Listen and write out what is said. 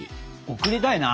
贈りたいな。